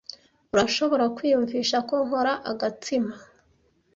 Urashobora kwiyumvisha ko nkora agatsima?